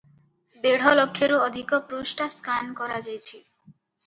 ଦେଢ଼ ଲକ୍ଷରୁ ଅଧିକ ପୃଷ୍ଠା ସ୍କାନ କରାଯାଇଛି ।